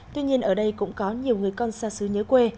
tuy nhiên ở đây cũng có nhiều người con xa xứ nhớ quê